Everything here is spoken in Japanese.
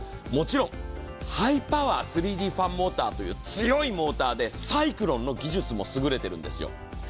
もちろんハイパワー３Ｄファンモーターという強いモーターでサイクロンの技術もすぐれているんですよ。